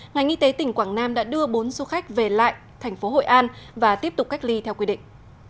ngành y tế tỉnh quảng nam đã đưa bốn du khách về lại thành phố hội an và tiếp tục cách ly theo quy định